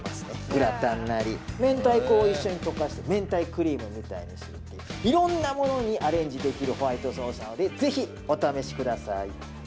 グラタンなり明太子を一緒に溶かして明太クリームみたいにするっていういろんなものにアレンジできるホワイトソースなのでぜひお試しください。